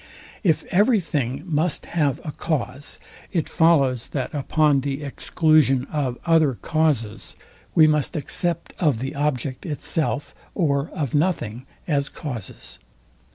If every thing must have a cause, it follows, that upon the exclusion of other causes we must accept of the object itself or of nothing as causes.